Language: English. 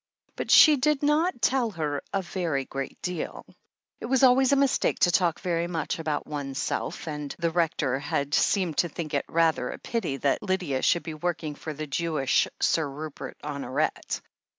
But she did not tell her a very great deal. It was always a mistake to talk very much about oneself, and 273 274 THE HEEL OF ACHILLES the Rector had seemed to think it rather a pity that Lydia should be working for the Jewish Sir Rupert Honoret.